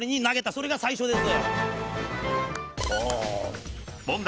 それが最初です。